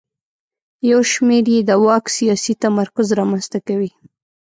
یو شمېر یې د واک سیاسي تمرکز رامنځته کوي.